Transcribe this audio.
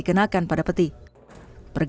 mencapai tujuh belas juta real